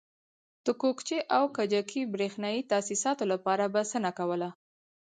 د کوکچې او کجکي برېښنایي تاسیساتو لپاره بسنه کوله.